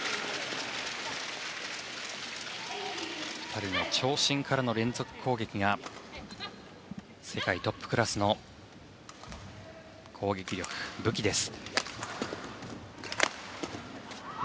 ２人の長身からの連続攻撃が世界トップクラスの攻撃力、武器です。